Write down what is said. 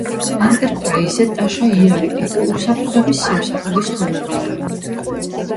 ენტერპრაიზზე ტაშა იარი იყო უსაფრთხოების სამსახურის ხელმძღვანელი.